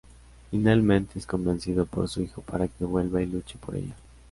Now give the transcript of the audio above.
Finalmente es convencido por su hijo para que vuelva y luche por ella.